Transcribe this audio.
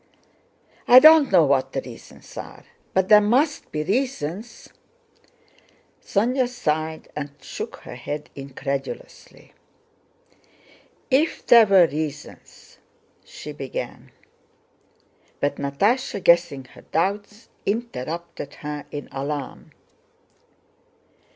"I don't know what the reasons are. But there must be reasons!" Sónya sighed and shook her head incredulously. "If there were reasons..." she began. But Natásha, guessing her doubts, interrupted her in alarm.